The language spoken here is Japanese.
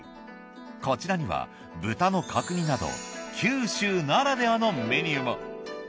こちらには豚の角煮など九州ならではのメニューも。